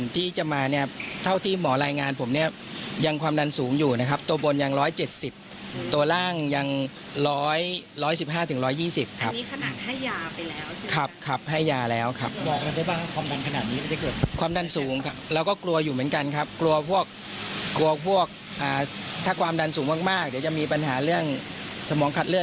ถ้าความดันสูงมากเดี๋ยวจะมีปัญหาเรื่องสมองคัดเลือด